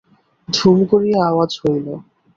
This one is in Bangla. ধুম করিয়া আওয়াজ হইল।